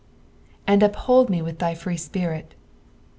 "And ■uphoU me tcith thy free Spirit."